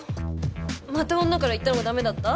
また女からいったのがダメだった？